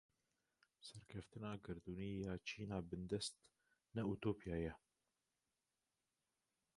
Serkeftina gerdûnî ya çîna bindest ne utopya ye.